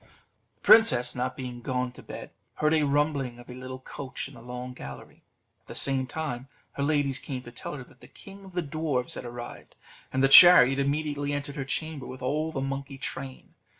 The princess not being gone to bed, heard a rumbling of a little coach in the long gallery; at the same time, her ladies came to tell her that the king of the dwarfs was arrived, and the chariot immediately entered her chamber with all the monkey train.